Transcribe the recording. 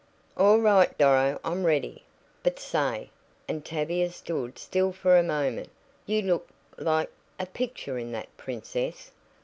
"All right, Doro, I'm ready. But say!" and Tavia stood still for a moment "You look like a picture in that princess.